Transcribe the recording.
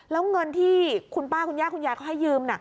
แล้วเงินที่คุณป้าคุณย่าคุณยายเขาให้ยืม